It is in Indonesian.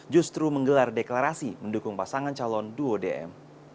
justru menggelar deklarasi mendukung pasangan calon duo dm